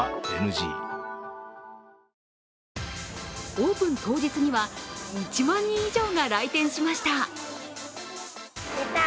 オープン当日には１万人以上が来店しました。